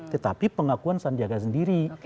tetapi pengakuan sandi arief sendiri